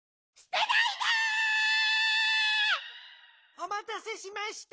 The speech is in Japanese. おまたせしました。